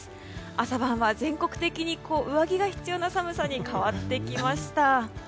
朝晩は全国的に上着が必要な寒さに変わってきました。